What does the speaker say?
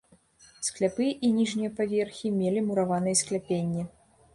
Скляпы і ніжнія паверхі мелі мураваныя скляпенні.